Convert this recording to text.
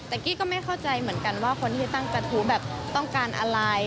แต่กี้ก็ไม่เข้าใจเหมือนกันว่าคนที่จะตั้งกระทู้แบบต้องการอะไร